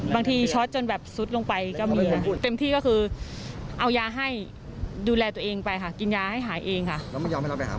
ปล่อยให้เราอยู่อย่างนั้นเลย